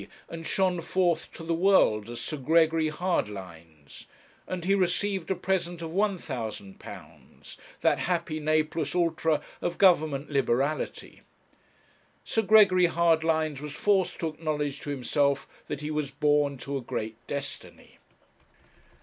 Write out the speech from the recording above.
and shone forth to the world as Sir Gregory Hardlines; and he received a present of £1,000, that happy ne plus ultra of Governmental liberality. Sir Gregory Hardlines was forced to acknowledge to himself that he was born to a great destiny.